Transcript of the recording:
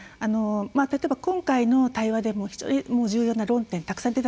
例えば今回の対話でも非常に重要な論点たくさん出たと思います。